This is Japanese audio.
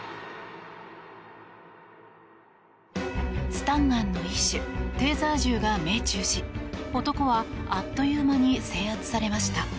スタンガンの一種テーザー銃が命中し男は、あっという間に制圧されました。